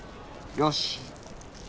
よし。